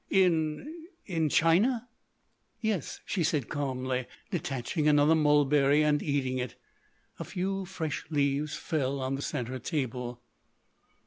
"In—in China?" "Yes," she said calmly, detaching another mulberry and eating it. A few fresh leaves fell on the centre table.